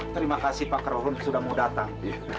terima kasih pak karound sudah mau datang